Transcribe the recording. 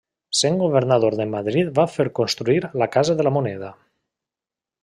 Sent governador de Madrid va fer construir la Casa de la Moneda.